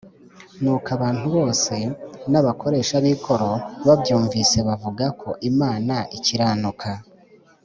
Ni uko abantu bose n’abakoresha b’ikoro babyumvise bavuga ko Imana ikiranuka